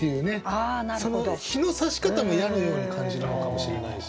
その日のさし方も矢のように感じるのかもしれないし。